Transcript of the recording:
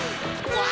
うわ！